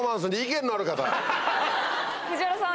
藤原さん